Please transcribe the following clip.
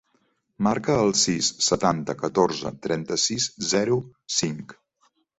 Marca el sis, setanta, catorze, trenta-sis, zero, cinc.